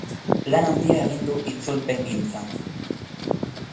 Lan handia egin du itzulpengintzan.